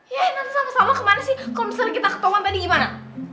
ye nanti sama sama kemana sih kalo misalnya kita ketauan tadi gimana